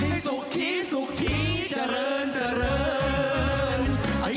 สุขีสุขีเจริญเจริญ